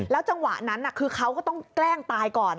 จังหวะนั้นคือเขาก็ต้องแกล้งตายก่อน